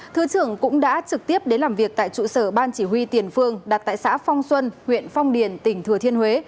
thứ trưởng cũng đã trực tiếp đến làm việc tại trụ sở ban chỉ huy tiền phương đặt tại xã phong xuân huyện phong điền tỉnh thừa thiên huế